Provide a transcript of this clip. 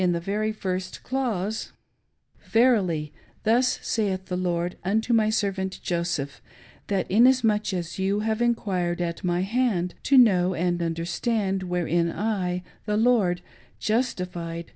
the very first clause : Verily, thus saith the Lord unto my servant Joseph, that inasmuch as you' have enquired at my hand, to know and understand wherein I, the Lord, JUSTIFIED [!